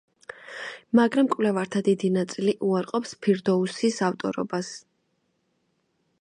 მაგრამ მკვლევართა დიდი ნაწილი უარყოფს ფირდოუსის ავტორობას.